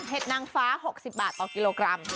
นางฟ้า๖๐บาทต่อกิโลกรัม